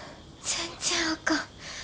全然あかん。